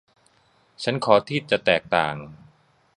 ฉันขอที่จะแตกต่าง